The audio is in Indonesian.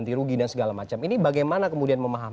terima kasih pak